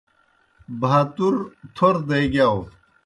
بَھاتُور تھور دے گِیاؤ۔